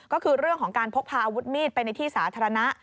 ก็คือเรื่องของการพกพาอาวุธมีดไปในที่สาธารณะ